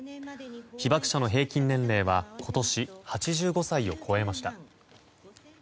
被爆者の平均年齢は今年、８５歳を超えました。